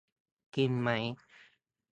กินไหม ?